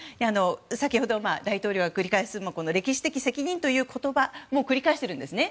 先程、大統領が繰り返す歴史的責任という言葉繰り返しているんですね